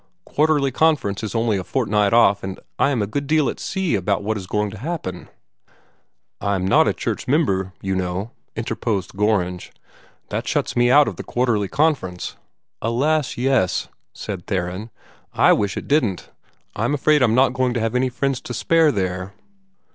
"Quarterly Conference is only a fortnight off, and I am a good deal at sea about what is going to happen." "I'm not a church member, you know," interposed Gorringe. "That shuts me out of the Quarterly Conference." "Alas, yes!" said Theron. "I wish it didn't. I'm afraid I'm not going to have any friends to spare there."